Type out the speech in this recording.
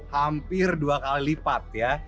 hampir dua kali lipat ya